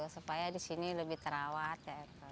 supaya di sini lebih terawat